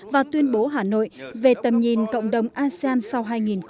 và tuyên bố hà nội về tầm nhìn cộng đồng asean sau hai nghìn hai mươi năm